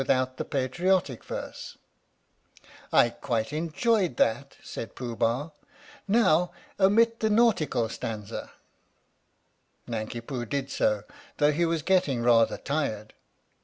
22 THE STORY OF THE MIKADO "I quite enjoyed that/ 5 said Pooh Bah; "now omit the nautical stanza." Nanki Poo did so, though he was getting rather tired.